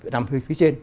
nằm phía trên